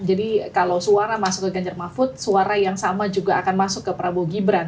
jadi kalau suara masuk ke ganjar mahfud suara yang sama juga akan masuk ke prabowo gibran